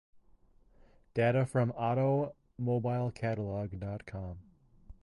Data from automobile-catalog dot com.